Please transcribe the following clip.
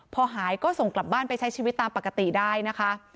พอหายก็ส่งกลับบ้านไปใช้ชีวิตตามปกติได้นะคะ